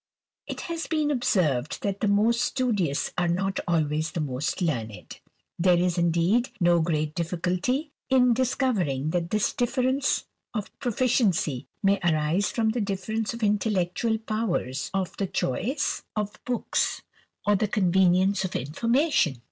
It has been observed that the most studious are nc always the most learned. There is, indeed, no great diffi 1 culty in discovering that this difference of proficiency may | arise from the difference of intellectual powers, of the choice 1 i. 12? THE RAMBLER. of books, or the convenience of information.